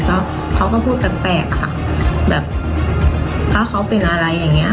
แล้วเขาก็พูดแปลกค่ะแบบถ้าเขาเป็นอะไรอย่างเงี้